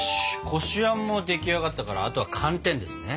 こしあんも出来上がったからあとは寒天ですね。